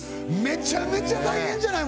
めちゃめちゃ大変じゃない？